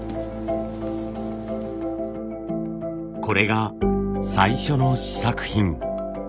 これが最初の試作品。